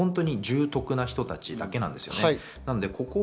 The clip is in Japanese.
本当に重篤な人たちだけなんですね。